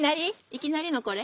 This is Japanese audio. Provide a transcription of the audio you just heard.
いきなりのこれ？